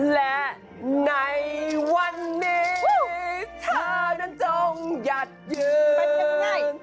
และในวันนี้เธอนั้นจงหยัดยืน